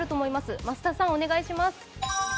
増田さん、お願いします。